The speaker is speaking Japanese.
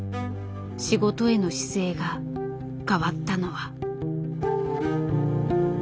仕事への姿勢が変わったのは。